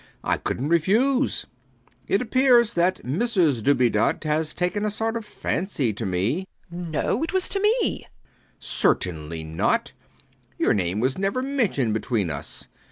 I couldnt refuse. It appears that Mrs Dubedat has taken a sort of fancy to me WALPOLE [quickly] No: it was to me. B. B. Certainly not. Your name was never mentioned between us.